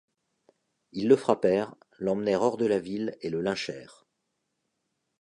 Ils le frappèrent, l'emmenèrent hors de la ville et le lynchèrent.